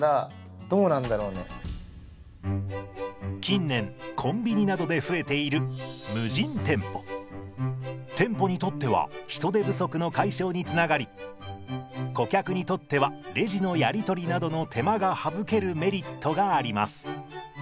近年コンビニなどで増えている店舗にとっては人手不足の解消につながり顧客にとってはレジのやり取りなどの手間が省けるメリットがあります。